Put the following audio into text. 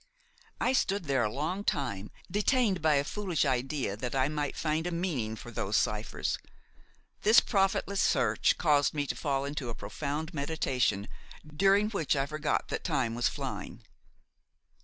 I stood there a long time, detained by a foolish idea that I might find a meaning for those ciphers. This profitless search caused me to fall into a profound meditation, during which I forgot that time was flying.